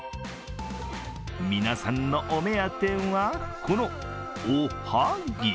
皆さんのお目当ては、この、おはぎ。